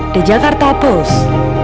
the jakarta post